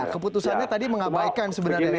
keputusannya tadi mengabaikan sebenarnya